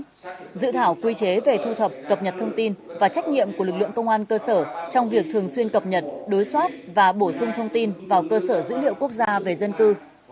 trong dự thảo quy chế về thu thập cập nhật thông tin và trách nhiệm của lực lượng công an cơ sở trong việc thường xuyên cập nhật đối soát và bổ sung thông tin vào cơ sở dữ liệu quốc gia về dân cư